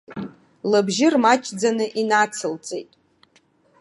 Лыбжьы рмаҷӡаны инацылҵеит.